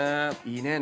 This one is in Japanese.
いいね。